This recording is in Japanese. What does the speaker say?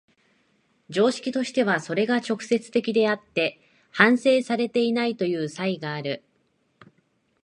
常識としてはそれが直接的であって反省されていないという差異がある。